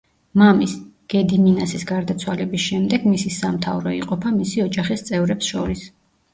მამის, გედიმინასის გარდაცვალების შემდეგ მისი სამთავრო იყოფა მისი ოჯახის წევრებს შორის.